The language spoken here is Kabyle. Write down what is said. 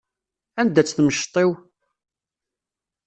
Anda-tt timceḍt-iw?